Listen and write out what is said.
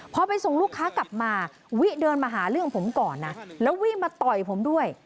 พอไปส่งลูกค้ากลับมาวิเดินมาหาเรื่องผมก่อนนะแล้ววิ่งมาต่อยผมด้วย